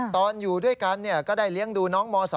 ตอนอยู่ด้วยกันเนี่ยก็ได้เลี้ยงดูน้องม๒